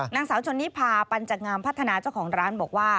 นางสาวชนนิพาปัญจักงามพัฒนาเจ้าของร้านบอกว่า